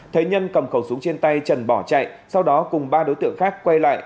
thế nhân cầm khẩu súng trên tay trần bỏ chạy sau đó cùng ba đối tượng khác quay lại